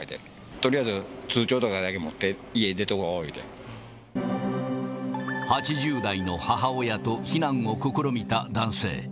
とりあえず、通帳とかだけ持って、８０代の母親と避難を試みた男性。